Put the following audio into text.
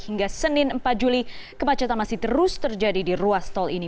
hingga senin empat juli kemacetan masih terus terjadi di ruas tol ini